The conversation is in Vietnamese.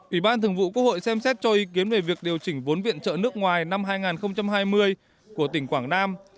ubthq xem xét cho ý kiến về việc điều chỉnh vốn viện trợ nước ngoài năm hai nghìn hai mươi của tỉnh quảng nam